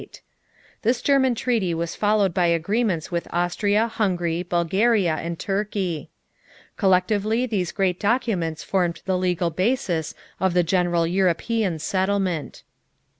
This German treaty was followed by agreements with Austria, Hungary, Bulgaria, and Turkey. Collectively these great documents formed the legal basis of the general European settlement.